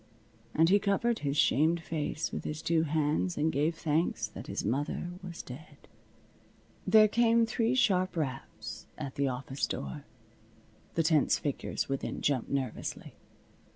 And he covered his shamed face with his two hands and gave thanks that his mother was dead. There came three sharp raps at the office door. The tense figures within jumped nervously.